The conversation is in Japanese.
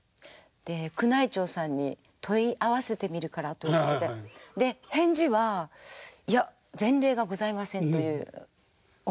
で「宮内庁さんに問い合わせてみるから」と言ってで返事は「いや前例がございません」というお返事が返ってくるんです。